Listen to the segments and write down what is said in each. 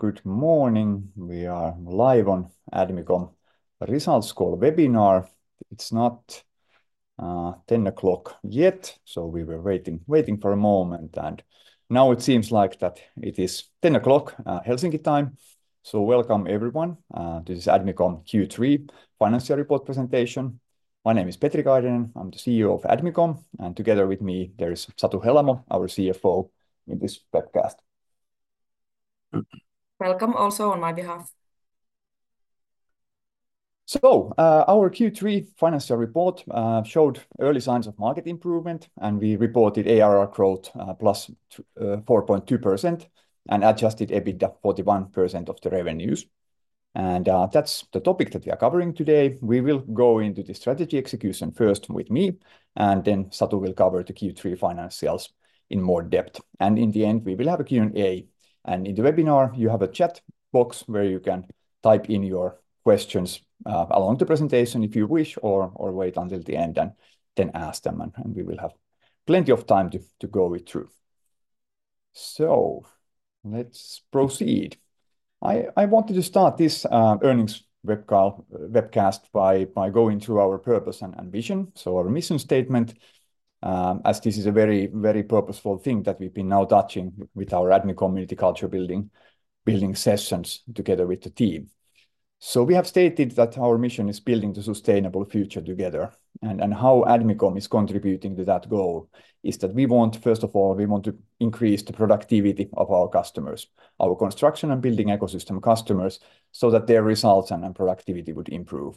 Hello, and good morning. We are live on Admicom Results Call Webinar. It's not 10:00 A.M. yet, so we were waiting for a moment, and now it seems like it is 10:00 A.M., Helsinki time. Welcome, everyone, to this Admicom Q3 financial report presentation. My name is Petri Kairinen. I'm the CEO of Admicom, and together with me, there is Satu Helamo, our CFO, in this webcast. Welcome also on my behalf. So, our Q3 financial report showed early signs of market improvement, and we reported ARR growth, plus 4.2% and adjusted EBITDA 41% of the revenues. And, that's the topic that we are covering today. We will go into the strategy execution first with me, and then Satu will cover the Q3 financials in more depth. And in the end, we will have a Q&A. And in the webinar, you have a chat box where you can type in your questions along the presentation if you wish, or wait until the end and then ask them, and we will have plenty of time to go it through. So let's proceed. I wanted to start this earnings webcast by going through our purpose and vision. So our mission statement, as this is a very, very purposeful thing that we've been now touching with our Admicom community culture building sessions together with the team. So we have stated that our mission is building the sustainable future together, and how Admicom is contributing to that goal is that we want. First of all, we want to increase the productivity of our customers, our construction and building ecosystem customers, so that their results and productivity would improve.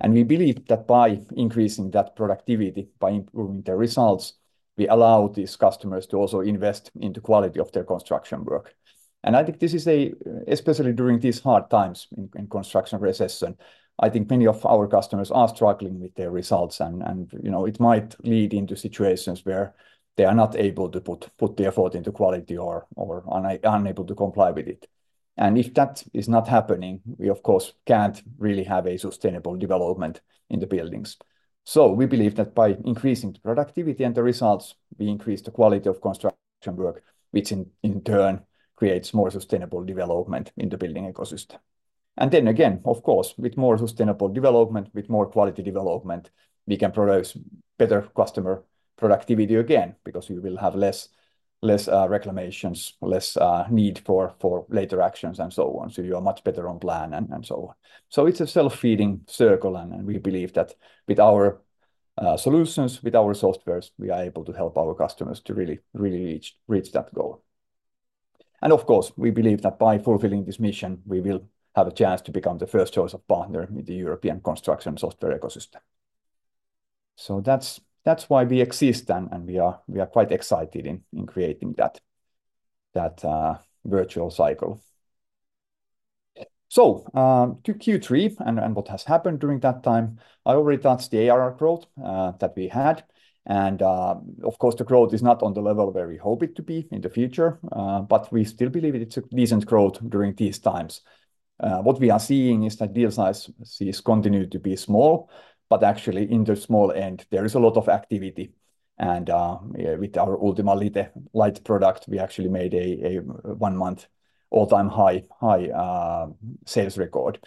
And we believe that by increasing that productivity, by improving their results, we allow these customers to also invest in the quality of their construction work. I think this is especially during these hard times in construction recession. I think many of our customers are struggling with their results and, you know, it might lead into situations where they are not able to put the effort into quality or unable to comply with it. And if that is not happening, we of course can't really have a sustainable development in the buildings. So we believe that by increasing the productivity and the results, we increase the quality of construction work, which in turn creates more sustainable development in the building ecosystem. And then again, of course, with more sustainable development, with more quality development, we can produce better customer productivity again, because you will have less reclamations, less need for later actions, and so on. You are much better on plan and so on. It's a self-feeding circle, and we believe that with our solutions, with our softwares, we are able to help our customers to really reach that goal. And of course, we believe that by fulfilling this mission, we will have a chance to become the first choice of partner in the European construction software ecosystem. That's why we exist, and we are quite excited in creating that virtual cycle. To Q3 and what has happened during that time, I already touched the ARR growth that we had, and of course, the growth is not on the level where we hope it to be in the future, but we still believe it's a decent growth during these times. What we are seeing is that deal size seems to continue to be small, but actually, in the small end, there is a lot of activity. Yeah, with our Ultima Lite product, we actually made a one-month all-time high sales record.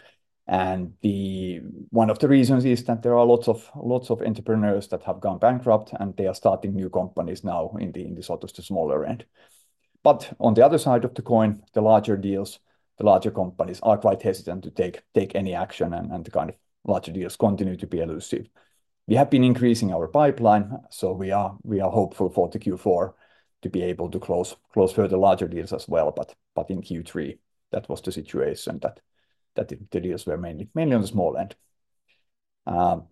One of the reasons is that there are lots of entrepreneurs that have gone bankrupt, and they are starting new companies now in the sort of the smaller end. But on the other side of the coin, the larger deals, the larger companies are quite hesitant to take any action, and the kind of larger deals continue to be elusive. We have been increasing our pipeline, so we are hopeful for the Q4 to be able to close further larger deals as well. But in Q3, that was the situation, that the deals were mainly on the small end.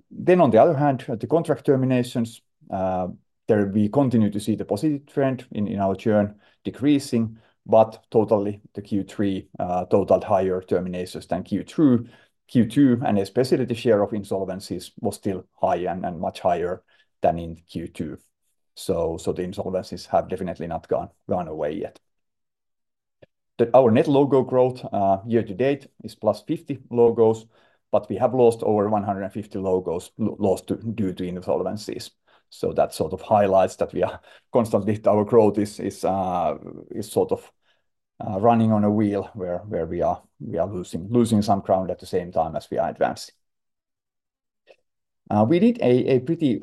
Then on the other hand, the contract terminations, there we continue to see the positive trend in our churn decreasing, but totally the Q3 totaled higher terminations than Q2, and especially the share of insolvencies was still high and much higher than in Q2. So the insolvencies have definitely not gone away yet. Our net logo growth year to date is plus 50 logos, but we have lost over 150 logos due to insolvencies. So that sort of highlights that we are constantly... Our growth is sort of running on a wheel, where we are losing some ground at the same time as we are advancing. We did a pretty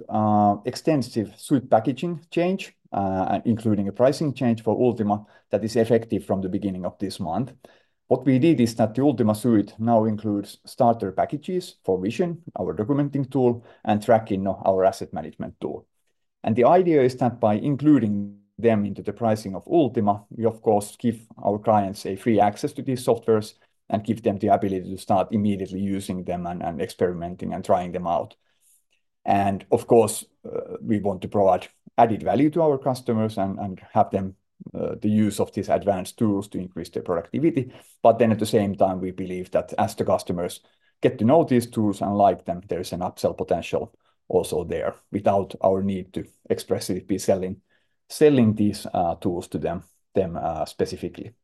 extensive suite packaging change, including a pricing change for Ultima that is effective from the beginning of this month. What we did is that the Ultima suite now includes starter packages for Vision, our documenting tool, and Trackinno, our asset management tool. And the idea is that by including them into the pricing of Ultima, we of course give our clients a free access to these softwares and give them the ability to start immediately using them and experimenting and trying them out. And of course, we want to provide added value to our customers and have them the use of these advanced tools to increase their productivity. But then at the same time, we believe that as the customers get to know these tools and like them, there is an upsell potential also there without our need to explicitly be selling these tools to them specifically.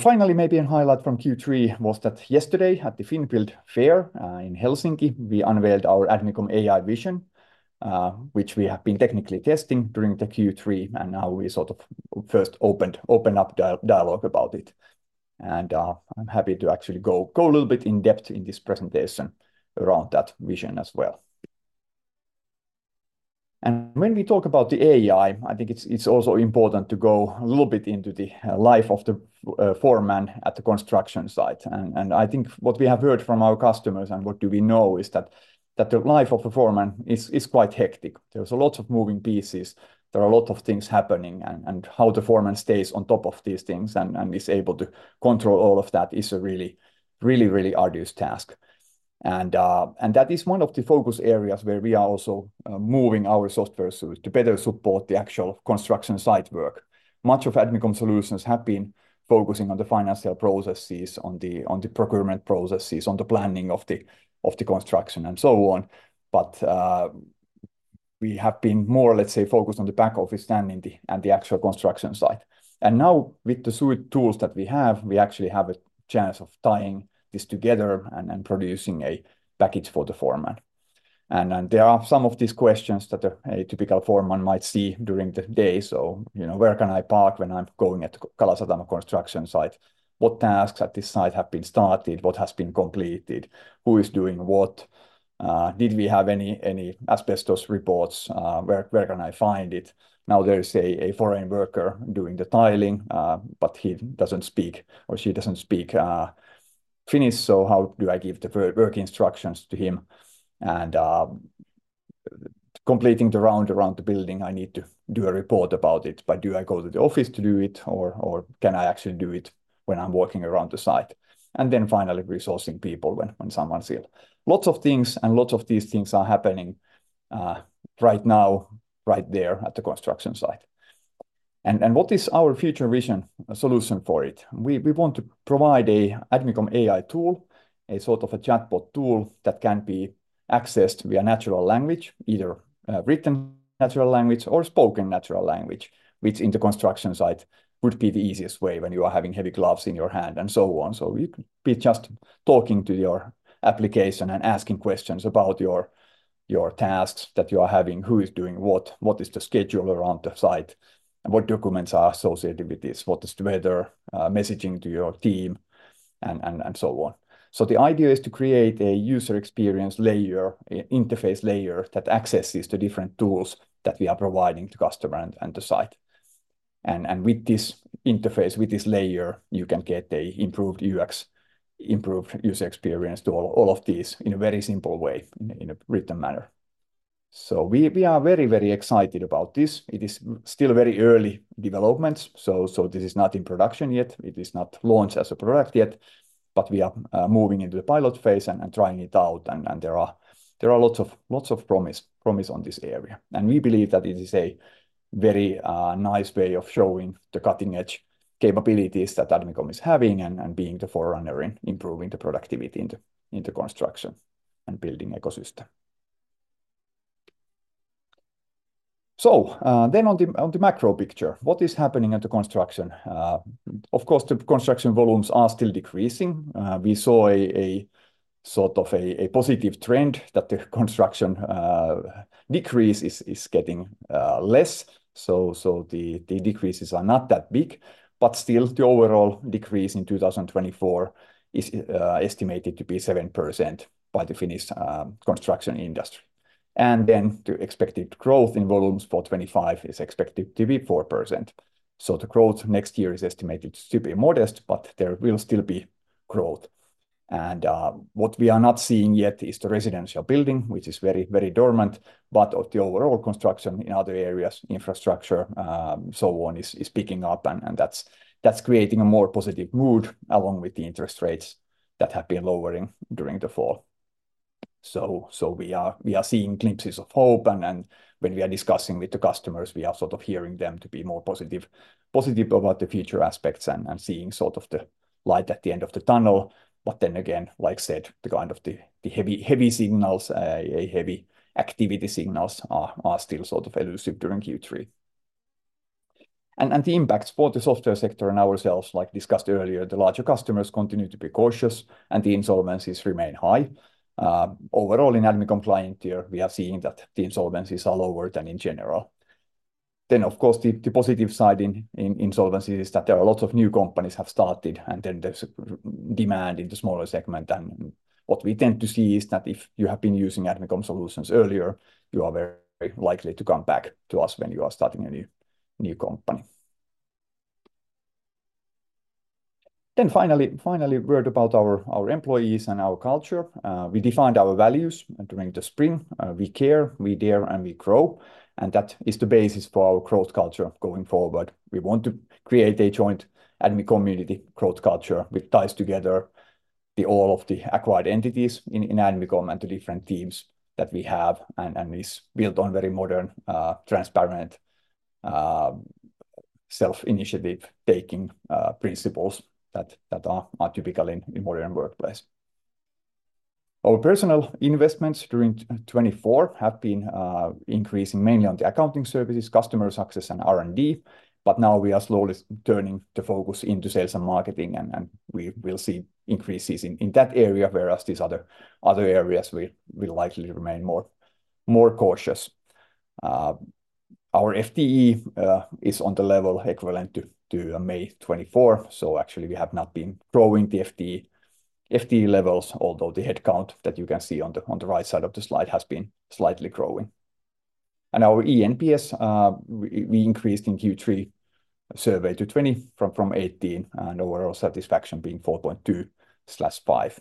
Finally, maybe a highlight from Q3 was that yesterday, at the FinnBuild Fair in Helsinki, we unveiled our Admicom AI vision, which we have been technically testing during the Q3, and now we sort of first opened up dialogue about it. And I'm happy to actually go a little bit in depth in this presentation around that vision as well. And when we talk about the AI, I think it's also important to go a little bit into the life of the foreman at the construction site. And I think what we have heard from our customers and what do we know is that the life of a foreman is quite hectic. There's a lot of moving pieces, there are a lot of things happening, and how the foreman stays on top of these things and is able to control all of that is a really, really, really arduous task. And that is one of the focus areas where we are also moving our software suite to better support the actual construction site work. Much of Admicom solutions have been focusing on the financial processes, on the procurement processes, on the planning of the construction, and so on. But we have been more, let's say, focused on the back office than the actual construction site. And now, with the suite tools that we have, we actually have a chance of tying this together and producing a package for the foreman. And there are some of these questions that a typical foreman might see during the day. So, you know, where can I park when I'm going at Kalasatama construction site? What tasks at this site have been started? What has been completed? Who is doing what? Did we have any asbestos reports? Where can I find it? Now, there is a foreign worker doing the tiling, but he doesn't speak or she doesn't speak Finnish, so how do I give the work instructions to him? Completing the round around the building, I need to do a report about it, but do I go to the office to do it, or can I actually do it when I'm walking around the site? Then finally, resourcing people when someone's ill. Lots of things, and lots of these things are happening right now, right there at the construction site. What is our future vision solution for it? We want to provide a Admicom AI tool, a sort of a chatbot tool that can be accessed via natural language, either written natural language or spoken natural language, which in the construction site would be the easiest way when you are having heavy gloves in your hand, and so on. So you'd be just talking to your application and asking questions about your tasks that you are having, who is doing what, what is the schedule around the site, and what documents are associated with this, what is the weather, messaging to your team, and so on. So the idea is to create a user experience layer, an interface layer, that accesses the different tools that we are providing to customer and the site. And with this interface, with this layer, you can get an improved UX, improved user experience to all of these in a very simple way, in a written manner. So we are very excited about this. It is still very early developments, so this is not in production yet. It is not launched as a product yet, but we are moving into the pilot phase and trying it out, and there are lots of promise on this area. We believe that it is a very nice way of showing the cutting-edge capabilities that Admicom is having and being the forerunner in improving the productivity in the construction and building ecosystem. Then on the macro picture, what is happening at the construction? Of course, the construction volumes are still decreasing. We saw a sort of a positive trend that the construction decrease is getting less. So the decreases are not that big, but still, the overall decrease in two thousand twenty-four is estimated to be 7% by the Finnish construction industry. The expected growth in volumes for 2025 is expected to be 4%. The growth next year is estimated to be modest, but there will still be growth. What we are not seeing yet is the residential building, which is very dormant, but the overall construction in other areas, infrastructure, so on, is picking up, and that's creating a more positive mood, along with the interest rates that have been lowering during the fall. We are seeing glimpses of hope, and when we are discussing with the customers, we are sort of hearing them to be more positive about the future aspects and seeing sort of the light at the end of the tunnel. But then again, like I said, the kind of the heavy signals. The heavy activity signals are still sort of elusive during Q3. And the impacts for the software sector and ourselves, like discussed earlier, the larger customers continue to be cautious and the insolvencies remain high. Overall, in Admicom clientele here, we are seeing that the insolvencies are lower than in general. Then, of course, the positive side in insolvency is that there are a lot of new companies have started, and then there's demand in the smaller segment. And what we tend to see is that if you have been using Admicom solutions earlier, you are very likely to come back to us when you are starting a new company. Then, finally, a word about our employees and our culture. We defined our values during the spring. We care, we dare, and we grow, and that is the basis for our growth culture going forward. We want to create a joint Admicom community growth culture, which ties together all of the acquired entities in Admicom and the different teams that we have, and is built on very modern, transparent, self-initiative-taking principles that are typical in modern workplace. Our personal investments during 2024 have been increasing mainly on the accounting services, customer success, and R&D, but now we are slowly turning the focus into sales and marketing, and we will see increases in that area, whereas these other areas will likely remain more cautious. Our FTE is on the level equivalent to May 2024, so actually, we have not been growing the FTE levels, although the headcount that you can see on the right side of the slide has been slightly growing. Our eNPS we increased in Q3 survey to 20 from 18, and overall satisfaction being 4.2/5.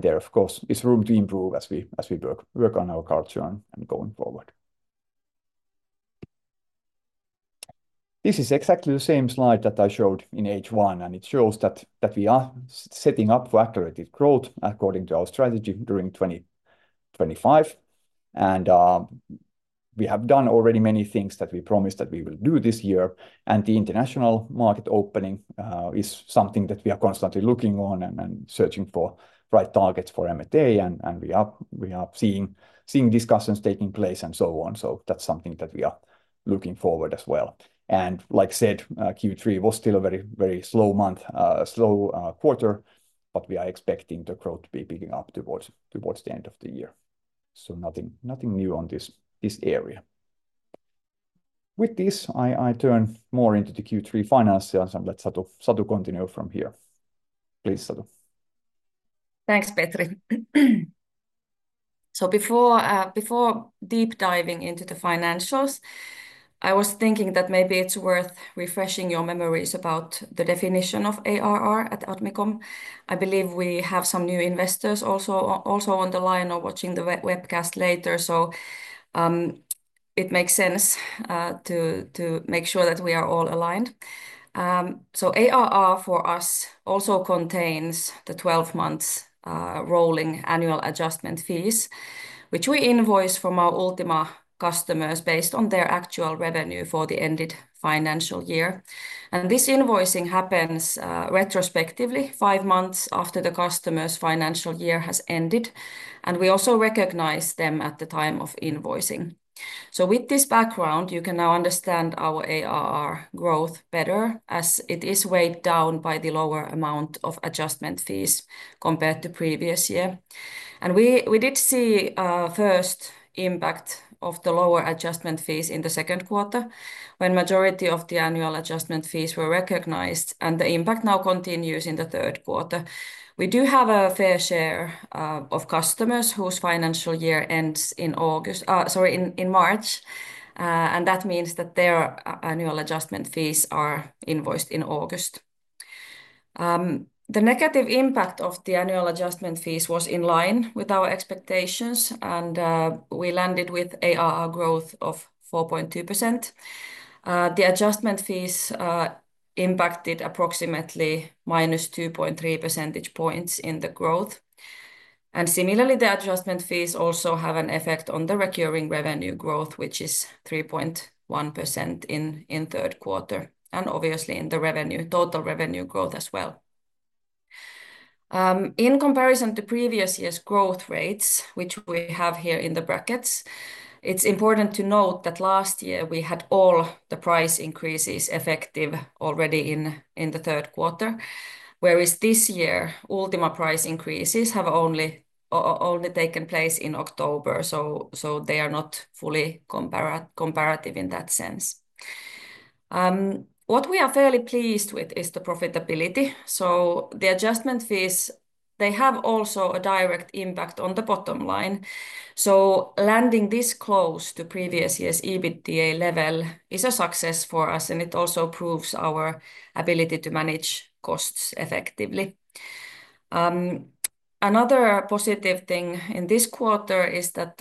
There, of course, is room to improve as we work on our culture and going forward. This is exactly the same slide that I showed in H1, and it shows that we are setting up for accelerated growth according to our strategy during 2025. And we have done already many things that we promised that we will do this year, and the international market opening is something that we are constantly looking on and searching for right targets for M&A, and we are seeing discussions taking place and so on. So that's something that we are looking forward as well. And like I said, Q3 was still a very slow quarter, but we are expecting the growth to be picking up towards the end of the year. So nothing new on this area. With this, I turn more into the Q3 financials, and let Satu continue from here. Please, Satu. Thanks, Petri. So before deep diving into the financials, I was thinking that maybe it's worth refreshing your memories about the definition of ARR at Admicom. I believe we have some new investors also on the line or watching the webcast later, so it makes sense to make sure that we are all aligned. So ARR for us also contains the twelve months rolling annual adjustment fees, which we invoice from our Ultima customers based on their actual revenue for the ended financial year. And this invoicing happens retrospectively, five months after the customer's financial year has ended, and we also recognize them at the time of invoicing. So with this background, you can now understand our ARR growth better, as it is weighed down by the lower amount of adjustment fees compared to previous year. We did see a first impact of the lower adjustment fees in the second quarter, when majority of the annual adjustment fees were recognized, and the impact now continues in the third quarter. We do have a fair share of customers whose financial year ends in March, and that means that their annual adjustment fees are invoiced in August. The negative impact of the annual adjustment fees was in line with our expectations, and we landed with ARR growth of 4.2%. The adjustment fees impacted approximately minus 2.3 percentage points in the growth. Similarly, the adjustment fees also have an effect on the recurring revenue growth, which is 3.1% in third quarter, and obviously in the revenue, total revenue growth as well. In comparison to previous years' growth rates, which we have here in the brackets, it's important to note that last year we had all the price increases effective already in the third quarter, whereas this year, Ultima price increases have only taken place in October, so they are not fully comparative in that sense. What we are fairly pleased with is the profitability, so the adjustment fees, they have also a direct impact on the bottom line, so landing this close to previous year's EBITDA level is a success for us, and it also proves our ability to manage costs effectively. Another positive thing in this quarter is that,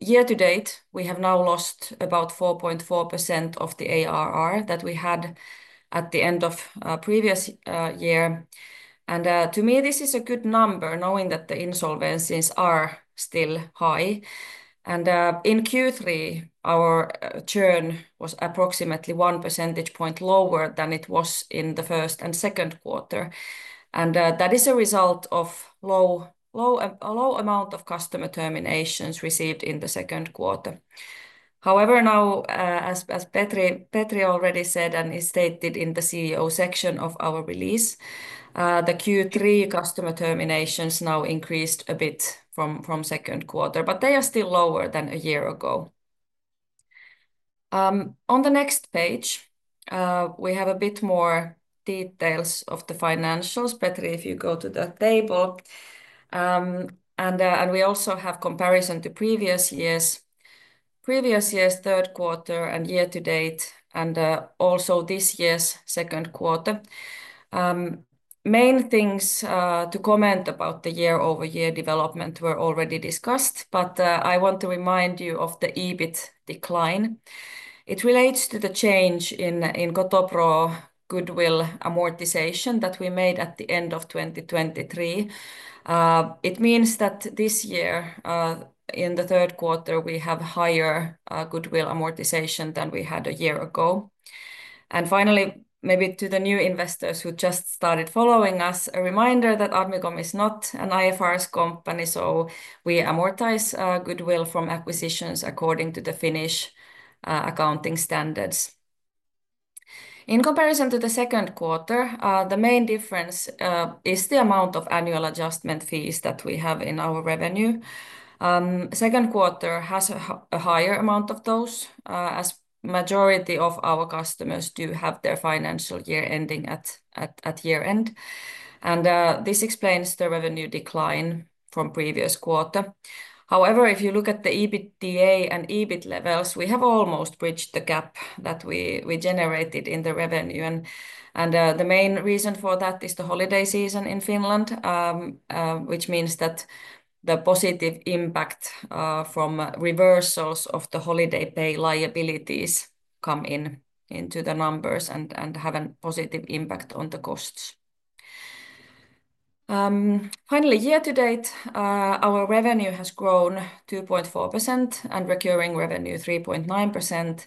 year to date, we have now lost about 4.4% of the ARR that we had at the end of previous year. To me, this is a good number, knowing that the insolvencies are still high. In Q3, our churn was approximately one percentage point lower than it was in the first and second quarter, and that is a result of a low amount of customer terminations received in the second quarter. However, now, as Petri already said and is stated in the CEO section of our release, the Q3 customer terminations now increased a bit from second quarter, but they are still lower than a year ago. On the next page, we have a bit more details of the financials. Petri, if you go to the table, we also have comparison to previous years, previous year's third quarter and year to date, also this year's second quarter. Main things to comment about the year-over-year development were already discussed, but I want to remind you of the EBIT decline. It relates to the change in Kotopro goodwill amortization that we made at the end of 2023. It means that this year, in the third quarter, we have higher goodwill amortization than we had a year ago. And finally, maybe to the new investors who just started following us, a reminder that Admicom is not an IFRS company, so we amortize goodwill from acquisitions according to the Finnish accounting standards. In comparison to the second quarter, the main difference is the amount of annual adjustment fees that we have in our revenue. Second quarter has a higher amount of those, as majority of our customers do have their financial year ending at year-end, and this explains the revenue decline from previous quarter. However, if you look at the EBITDA and EBIT levels, we have almost bridged the gap that we generated in the revenue, and the main reason for that is the holiday season in Finland, which means that the positive impact from reversals of the holiday pay liabilities come in into the numbers and have a positive impact on the costs. Finally, year to date, our revenue has grown 2.4%, and recurring revenue 3.9%.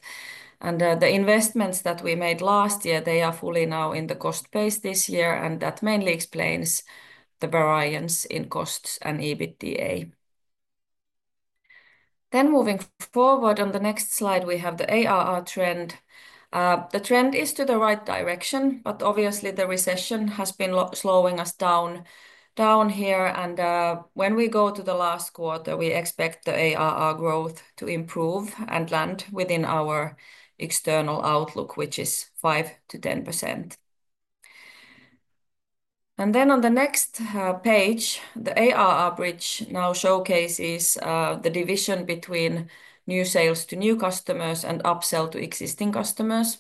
The investments that we made last year, they are fully now in the cost base this year, and that mainly explains the variance in costs and EBITDA. Moving forward, on the next slide, we have the ARR trend. The trend is to the right direction, but obviously the recession has been slowing us down here. When we go to the last quarter, we expect the ARR growth to improve and land within our external outlook, which is 5%-10%. On the next page, the ARR bridge now showcases the division between new sales to new customers and upsell to existing customers.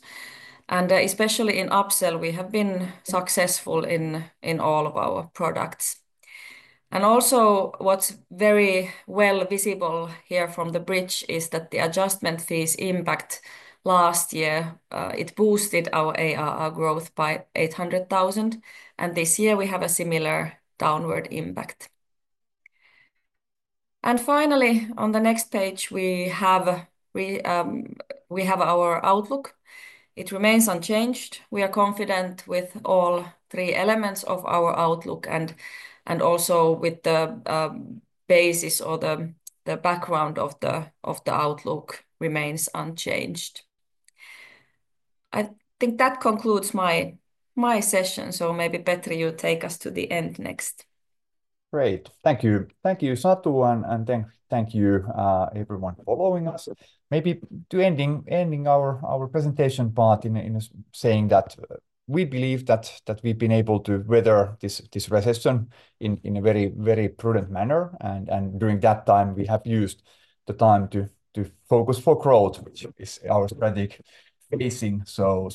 Especially in upsell, we have been successful in all of our products. And also, what's very well visible here from the bridge is that the adjustment fees impact last year, it boosted our ARR growth by 800,000, and this year we have a similar downward impact. And finally, on the next page, we have our outlook. It remains unchanged. We are confident with all three elements of our outlook, and also with the basis or the background of the outlook remains unchanged. I think that concludes my session, so maybe, Petri, you take us to the end next. Great. Thank you. Thank you, Satu, and thank you, everyone following us. Maybe to ending our presentation part in saying that we believe that we've been able to weather this recession in a very prudent manner, and during that time, we have used the time to focus for growth, which is our strategic facing. So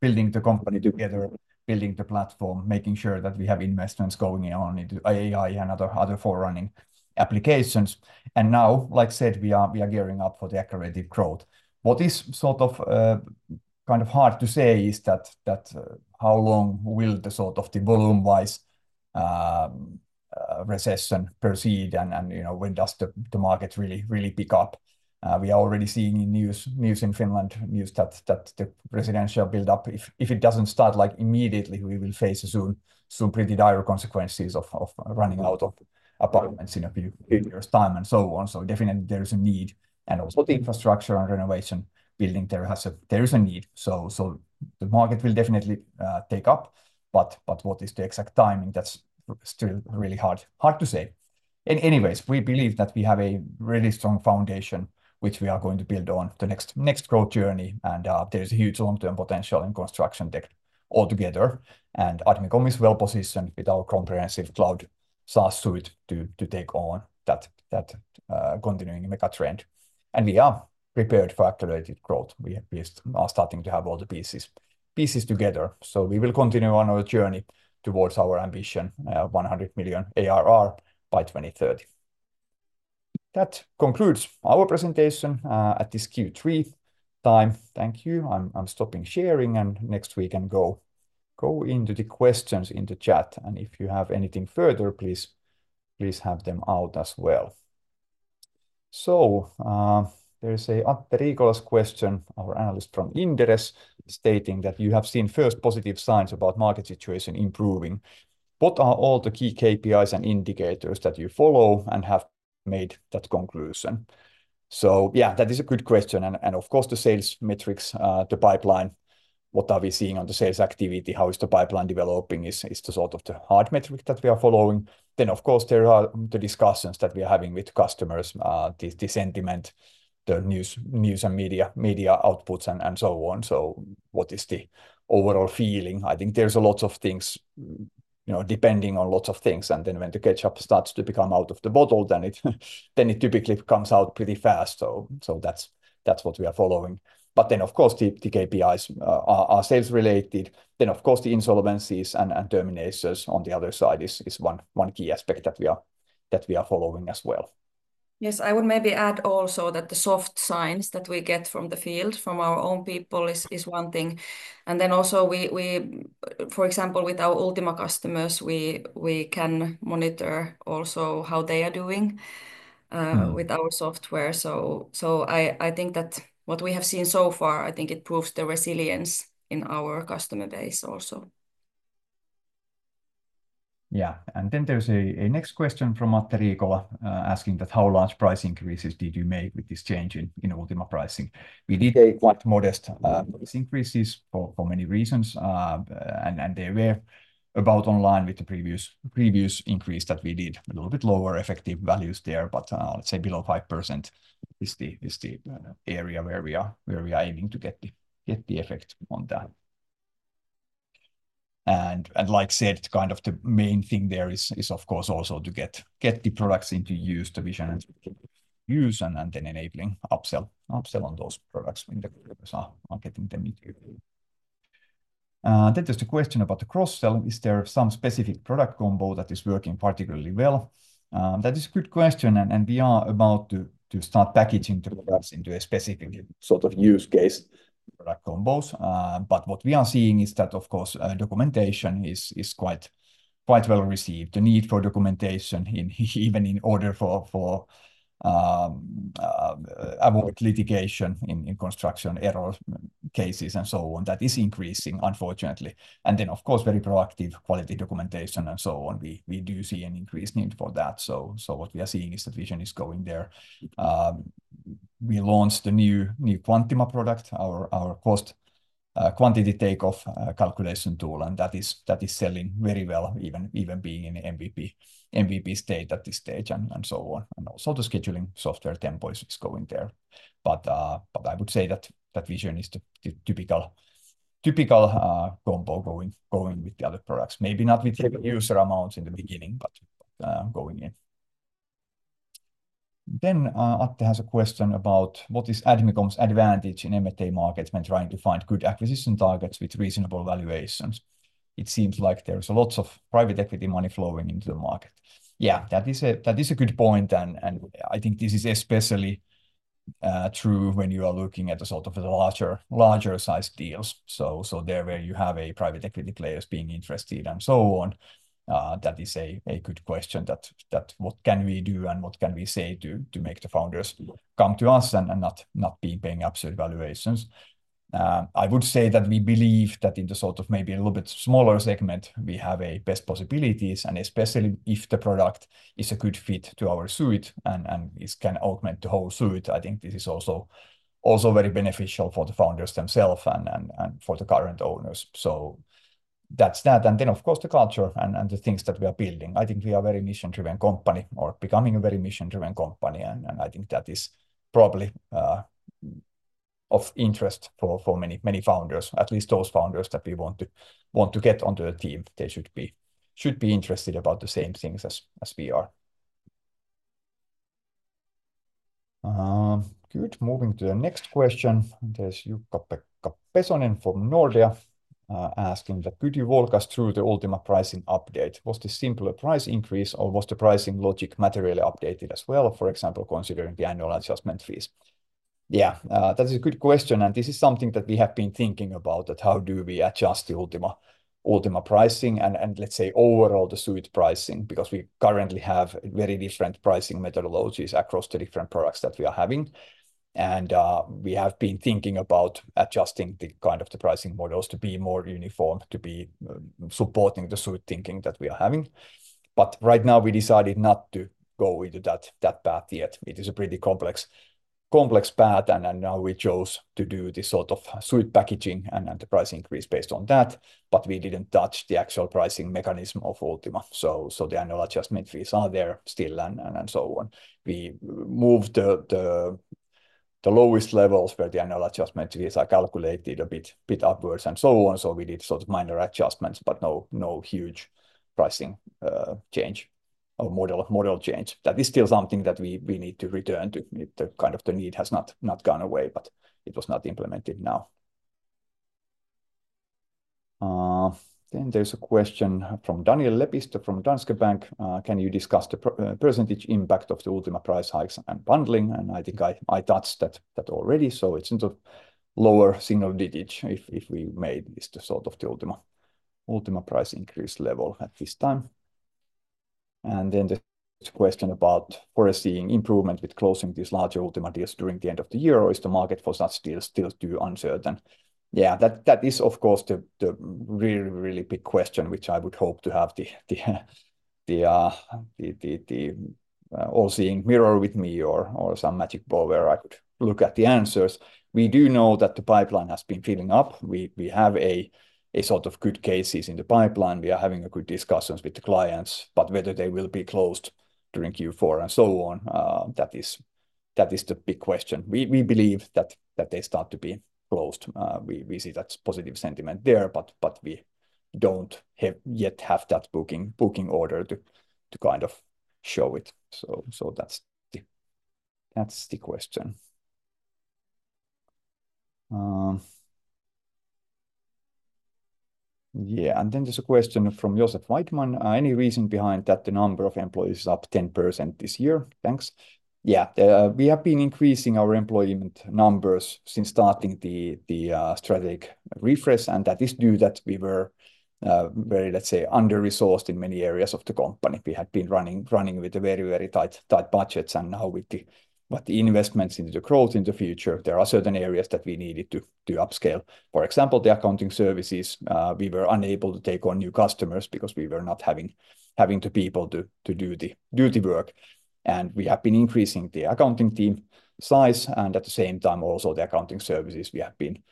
building the company together, building the platform, making sure that we have investments going on into AI and other forerunning applications. And now, like I said, we are gearing up for the accelerated growth. What is sort of kind of hard to say is that how long will the sort of the volume-wise recession proceed, and you know, when does the market really pick up? We are already seeing in the news in Finland that the residential build-up, if it doesn't start like immediately, we will face soon some pretty dire consequences of running out of apartments in a few years' time and so on. So definitely there is a need, and also the infrastructure and renovation building, there is a need. So the market will definitely take up, but what is the exact timing? That's still really hard to say. Anyways, we believe that we have a really strong foundation, which we are going to build on the next growth journey, and there's a huge long-term potential in construction tech altogether. Admicom is well positioned with our comprehensive cloud SaaS suite to take on that continuing mega trend. We are prepared for accelerated growth. We are starting to have all the pieces together. So we will continue on our journey towards our ambition, one hundred million ARR by twenty thirty. That concludes our presentation at this Q3 time. Thank you. I'm stopping sharing, and next we can go into the questions in the chat, and if you have anything further, please have them out as well. So, there is a Atte Riola's question, our analyst from Inderes, stating that you have seen first positive signs about market situation improving. What are all the key KPIs and indicators that you follow and have made that conclusion? So yeah, that is a good question, and of course, the sales metrics, the pipeline, what are we seeing on the sales activity, how is the pipeline developing, is the sort of the hard metric that we are following. Then, of course, there are the discussions that we are having with customers, the sentiment, the news and media outputs, and so on. So what is the overall feeling? I think there's a lot of things, you know, depending on lots of things, and then when the ketchup starts to become out of the bottle, then it typically comes out pretty fast. So that's what we are following. But then, of course, the KPIs are sales related. Then, of course, the insolvencies and terminations on the other side is one key aspect that we are following as well. Yes, I would maybe add also that the soft signs that we get from the field, from our own people, is one thing. And then also we... For example, with our Ultima customers, we can monitor also how they are doing- Mm... with our software. So I think that what we have seen so far, I think it proves the resilience in our customer base also. Yeah, and then there's a next question from Atte Riola, asking that, How large price increases did you make with this change in Ultima pricing? We did quite modest price increases for many reasons, and they were about in line with the previous increase that we did. A little bit lower effective values there, but let's say below 5% is the area where we are aiming to get the effect on that. And like I said, kind of the main thing there is of course also to get the products into use, the Vision into use, and then enabling upsell on those products when the customers are getting them into. Then there's the question about the cross-sell. Is there some specific product combo that is working particularly well? That is a good question, and we are about to start packaging the products into a specific sort of use case product combos. But what we are seeing is that, of course, documentation is quite well received. The need for documentation, even in order to avoid litigation in construction error cases and so on, is increasing, unfortunately. And then, of course, very proactive quality documentation and so on. We do see an increased need for that. So what we are seeing is the Vision is going there. We launched a new Quantima product, our cost quantity takeoff calculation tool, and that is selling very well, even being in MVP state at this stage and so on. And also the scheduling software Tempo is going there. But I would say that that vision is the typical combo going with the other products. Maybe not with the user amounts in the beginning, but going in. Then Atte has a question about: What is Admicom's advantage in M&A markets when trying to find good acquisition targets with reasonable valuations? It seems like there's lots of private equity money flowing into the market. Yeah, that is a good point, and I think this is especially true when you are looking at the sort of the larger sized deals. So there where you have a private equity players being interested and so on, that is a good question that what can we do and what can we say to make the founders come to us and not be paying absolute valuations? I would say that we believe that in the sort of maybe a little bit smaller segment, we have a best possibilities, and especially if the product is a good fit to our suite and it can augment the whole suite. I think this is also very beneficial for the founders themselves and for the current owners. So that's that. And then, of course, the culture and the things that we are building. I think we are a very mission-driven company or becoming a very mission-driven company, and I think that is probably of interest for many founders, at least those founders that we want to get onto the team. They should be interested about the same things as we are. Good. Moving to the next question. There's Jukka Pesonen from Nordea asking that: Could you walk us through the Ultima pricing update? Was this simply a price increase, or was the pricing logic materially updated as well, for example, considering the annual adjustment fees? Yeah, that is a good question, and this is something that we have been thinking about, that how do we adjust the Ultima pricing and let's say, overall, the suite pricing, because we currently have very different pricing methodologies across the different products that we are having. And, we have been thinking about adjusting the kind of the pricing models to be more uniform, to be supporting the suite thinking that we are having. But right now, we decided not to go into that path yet. It is a pretty complex path, and now we chose to do this sort of suite packaging and the price increase based on that, but we didn't touch the actual pricing mechanism of Ultima. So the annual adjustment fees are there still and so on. We moved the lowest levels where the annual adjustment fees are calculated a bit upwards and so on. So we did sort of minor adjustments, but no huge pricing change or model change. That is still something that we need to return to. The kind of need has not gone away, but it was not implemented now. Then there's a question from Daniel Lepistö from Danske Bank: "Can you discuss the percentage impact of the Ultima price hikes and bundling?" And I think I touched that already, so it's in the lower single digits if we made is the sort of the Ultima price increase level at this time. And then the question about foreseeing improvement with closing these larger Ultima deals during the end of the year, or is the market for such deals still too uncertain? Yeah, that is, of course, the really, really big question, which I would hope to have the all-seeing mirror with me or some magic ball where I could look at the answers. We do know that the pipeline has been filling up. We have a sort of good cases in the pipeline. We are having a good discussions with the clients, but whether they will be closed during Q4 and so on, that is the big question. We believe that they start to be closed. We see that positive sentiment there, but we don't yet have that booking order to kind of show it. So that's the question. Yeah, and then there's a question from Josef Weckman: "Any reason behind that the number of employees is up 10% this year? Thanks." Yeah, we have been increasing our employment numbers since starting the strategic refresh, and that is due that we were very, let's say, under-resourced in many areas of the company. We had been running with a very tight budgets, and now with the investments into the growth in the future, there are certain areas that we needed to upscale. For example, the accounting services, we were unable to take on new customers because we were not having the people to do the work. And we have been increasing the accounting team size, and at the same time, also the accounting services. We have been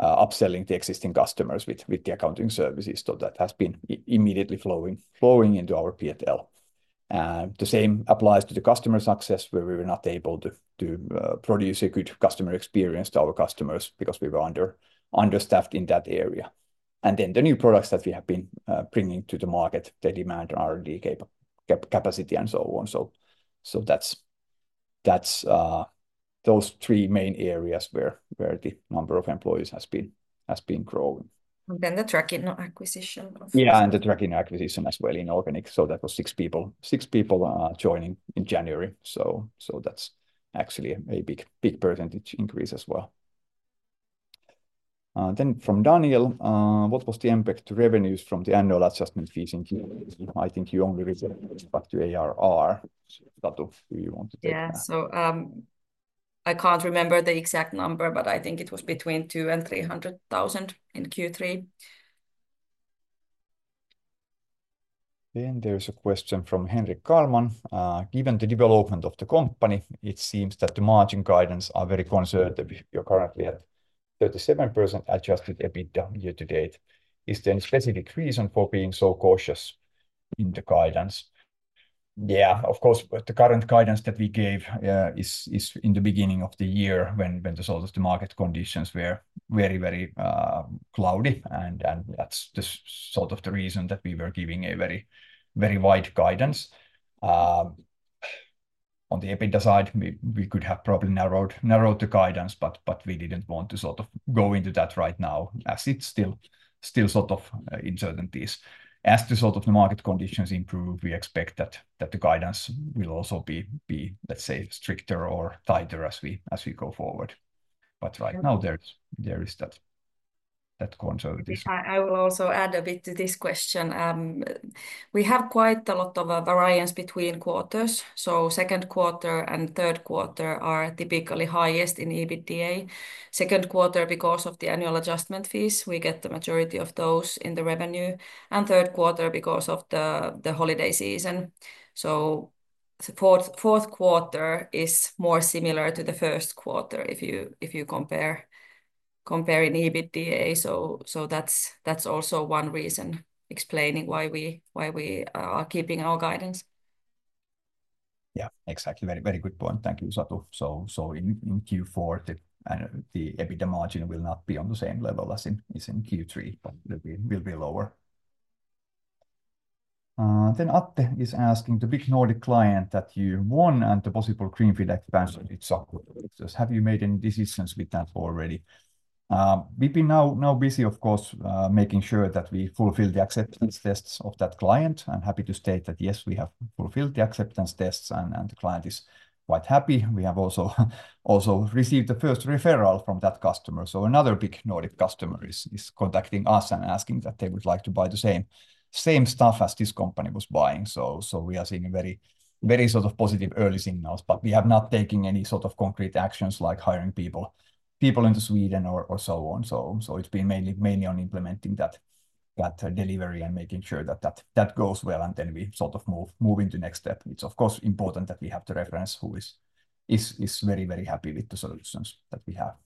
upselling the existing customers with the accounting services, so that has been immediately flowing into our P&L. And the same applies to the customer success, where we were not able to produce a good customer experience to our customers because we were understaffed in that area. And then the new products that we have been bringing to the market, they demand R&D capacity and so on. So that's those three main areas where the number of employees has been growing. And then the Trackinno acquisition also. Yeah, and the Trackinno acquisition as well in organic, so that was six people. Six people joining in January, so that's actually a big, big percentage increase as well. Then from Daniel: "What was the impact to revenues from the annual adjustment fees in Q3? I think you only referred back to ARR." So Satu, do you want to take that? Yeah, so, I can't remember the exact number, but I think it was between 200,000 and 300,000 in Q3. There is a question from Henrik Karlman: "Given the development of the company, it seems that the margin guidance are very concerned that we- you're currently at 37% adjusted EBITDA year to date. Is there any specific reason for being so cautious in the guidance?" Yeah, of course, but the current guidance that we gave is in the beginning of the year when the sort of the market conditions were very, very cloudy, and that's the sort of the reason that we were giving a very, very wide guidance. On the EBITDA side, we could have probably narrowed the guidance, but we didn't want to sort of go into that right now, as it's still sort of uncertainties. As the sort of market conditions improve, we expect that the guidance will also be, let's say, stricter or tighter as we go forward. But right now, there is that conservatism. I will also add a bit to this question. We have quite a lot of variance between quarters, so second quarter and third quarter are typically highest in EBITDA. Second quarter, because of the annual adjustment fees, we get the majority of those in the revenue, and third quarter because of the holiday season, so the fourth quarter is more similar to the first quarter if you compare in EBITDA, so that's also one reason explaining why we are keeping our guidance. Yeah, exactly. Very, very good point. Thank you, Satu. So in Q4, the EBITDA margin will not be on the same level as in Q3, but it will be lower. Then Atte is asking: "The big Nordic client that you won and the possible greenfield expansion it sought, have you made any decisions with that already?" We've been now busy, of course, making sure that we fulfill the acceptance tests of that client. I'm happy to state that, yes, we have fulfilled the acceptance tests, and the client is quite happy. We have also received the first referral from that customer, so another big Nordic customer is contacting us and asking that they would like to buy the same stuff as this company was buying. We are seeing very, very sort of positive early signals, but we have not taken any sort of concrete actions like hiring people into Sweden or so on. It's been mainly on implementing that delivery and making sure that goes well, and then we sort of move into next step. It's of course important that we have the reference who is very, very happy with the solutions that we have.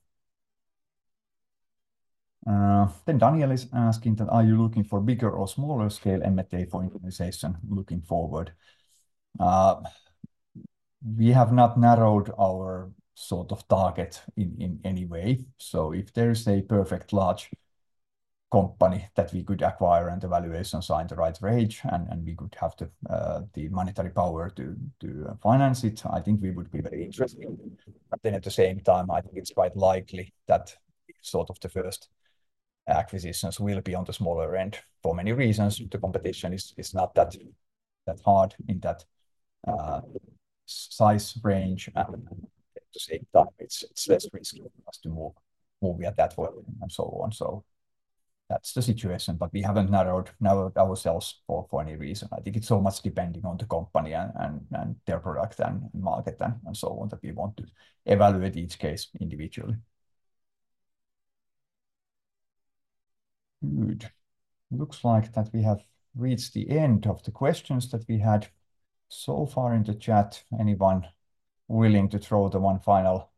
Daniel is asking: "Are you looking for bigger or smaller scale M&A for international looking forward?" We have not narrowed our sort of target in any way. So if there is a perfect large company that we could acquire, and the valuation is in the right range, and we could have the monetary power to finance it, I think we would be very interested. But then at the same time, I think it's quite likely that sort of the first acquisitions will be on the smaller end. For many reasons, the competition is not that hard in that size range, and at the same time, it's less risky for us to move at that level and so on. That's the situation, but we haven't narrowed ourselves for any reason. I think it's so much depending on the company and their product and market and so on, that we want to evaluate each case individually. Good. Looks like that we have reached the end of the questions that we had so far in the chat. Anyone willing to throw the one final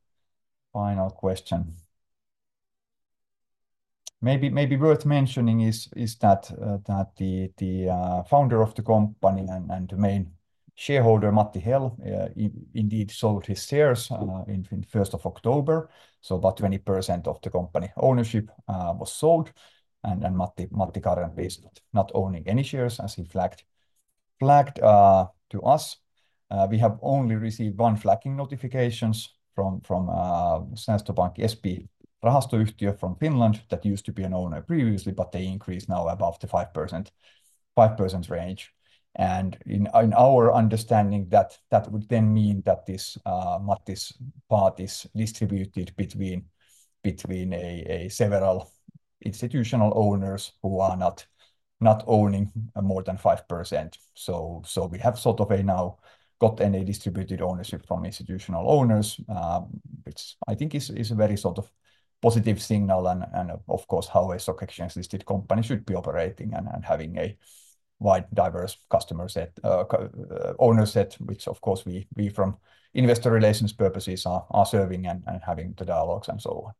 question? Maybe worth mentioning is that the founder of the company and the main shareholder, Matti Häll, he indeed sold his shares in first of October. So about 20% of the company ownership was sold, and then Matti currently is not owning any shares, as he flagged to us. We have only received one flagging notifications from Säästöpankki Rahastoyhtiö from Finland that used to be an owner previously, but they increased now above the 5% range. In our understanding, that would then mean that this Matti's part is distributed between several institutional owners who are not owning more than 5%. So we have sort of now got a distributed ownership from institutional owners, which I think is a very sort of positive signal and of course how a stock exchange-listed company should be operating and having a wide, diverse owner set, which of course we from investor relations purposes are serving and having the dialogues and so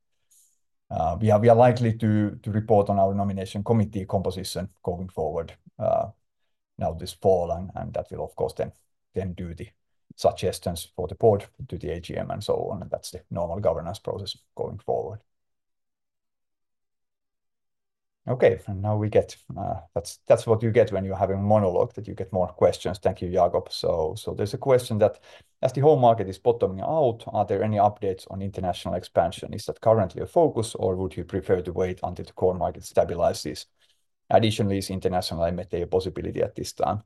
on. We are likely to report on our nomination committee composition going forward, now this fall, and that will of course then do the suggestions for the board to the AGM and so on, and that's the normal governance process going forward. Okay, and now we get... That's what you get when you're having a monologue, that you get more questions. Thank you, Jacob. So there's a question that, "As the whole market is bottoming out, are there any updates on international expansion? Is that currently a focus, or would you prefer to wait until the core market stabilizes? Additionally, is international M&A a possibility at this time?"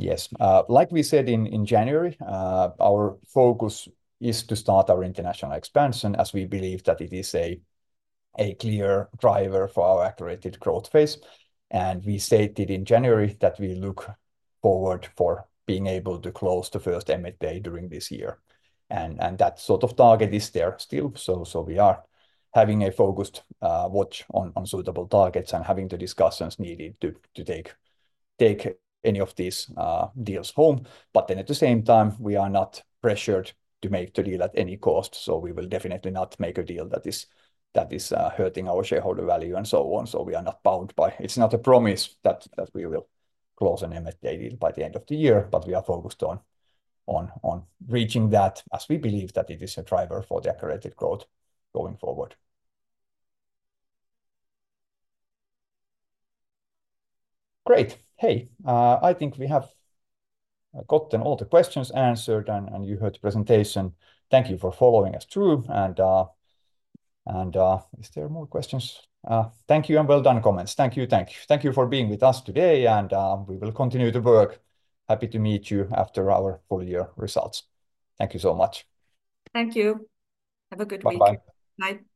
Yes. Like we said in January, our focus is to start our international expansion, as we believe that it is a clear driver for our accelerated growth phase. And we stated in January that we look forward to being able to close the first M&A deal during this year, and that sort of target is there still. So we are having a focused watch on suitable targets and having the discussions needed to take any of these deals home. But then at the same time, we are not pressured to make the deal at any cost, so we will definitely not make a deal that is hurting our shareholder value and so on. So we are not bound by... It's not a promise that we will close an M&A deal by the end of the year, but we are focused on reaching that, as we believe that it is a driver for the accelerated growth going forward. Great! Hey, I think we have gotten all the questions answered, and you heard the presentation. Thank you for following us through... Is there more questions? Thank you, and well done comments. Thank you, thank you. Thank you for being with us today, and we will continue to work. Happy to meet you after our full year results. Thank you so much. Thank you. Have a good week. Bye-bye. Bye.